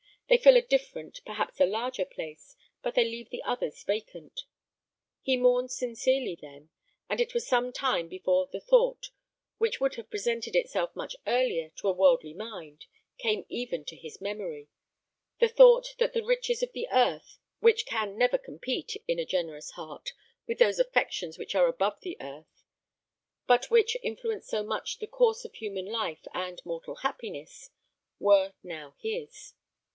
They fill a different, perhaps a larger place, but they leave the others vacant. He mourned sincerely then; and it was some time before the thought which would have presented itself much earlier to a worldly mind, came even to his memory the thought that the riches of the earth, which can never compete, in a generous heart, with those affections which are above the earth, but which influence so much the course of human life and mortal happiness, were now his.